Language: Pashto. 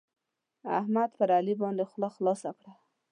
احمد پر علي باندې خوله خلاصه کړه.